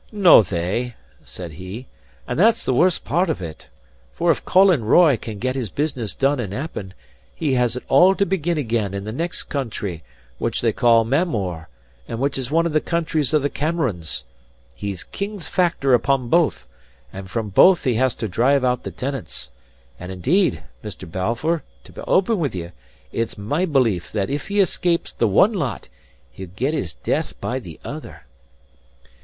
"No they," said he. "And that's the worst part of it. For if Colin Roy can get his business done in Appin, he has it all to begin again in the next country, which they call Mamore, and which is one of the countries of the Camerons. He's King's Factor upon both, and from both he has to drive out the tenants; and indeed, Mr. Balfour (to be open with ye), it's my belief that if he escapes the one lot, he'll get his death by the other."